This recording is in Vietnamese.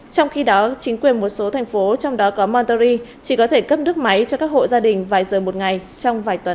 trong khi đó chính quyền một số thành phố trong đó có montory chỉ có thể cấp nước máy cho các hộ gia đình vài giờ một ngày trong vài tuần